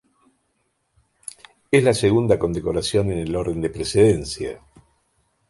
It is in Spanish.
Es la segunda condecoración en el orden de precedencia.